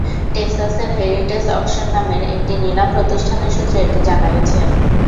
টেক্সাসের Heritage Auction নামের একটি নিলাম প্রতিষ্ঠানের সূত্রে এটি জানা গেছে।